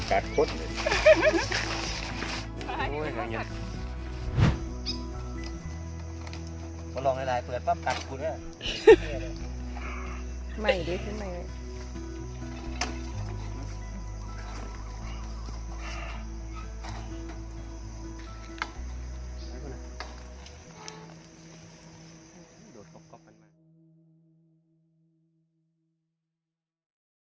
ตัวนี้มันคือประกัดคด